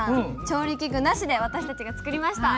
調理器具なしで私たちが作りました。